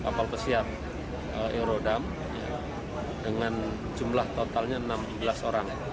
kapal pesiar eurodam dengan jumlah totalnya enam belas orang